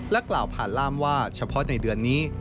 กล่าวผ่านล่ามว่าเฉพาะในเดือนนี้